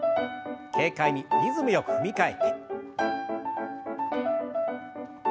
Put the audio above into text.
軽快にリズムよく踏み替えて。